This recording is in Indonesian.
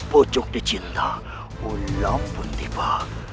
pocok dicinta ulam pun tiba